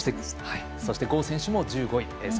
そして郷選手も１５位。